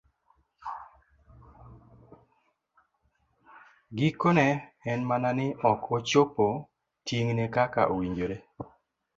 Gikone, en mana ni ok ochopo ting'ne kaka owinjore.